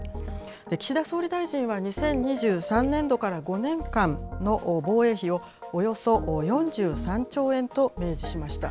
岸田総理大臣は２０２３年度から５年間の防衛費を、およそ４３兆円と明示しました。